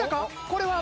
これは。